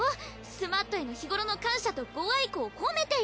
スマットへの日ごろの感謝とご愛顧を込めてよ。